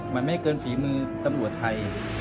มันไม่เกินฝีมือตำรวจไทย